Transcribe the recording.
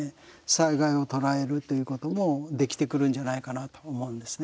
災害を捉えるということもできてくるんじゃないかなと思うんですね。